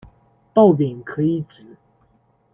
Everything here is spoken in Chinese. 豆饼可以指：